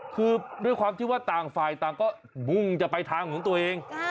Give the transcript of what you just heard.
คือด้วยความที่ว่าต่างฝ่ายต่างก็มุ่งจะไปทางของตัวเอง